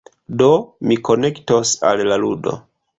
Do, mi konektos al la ludo...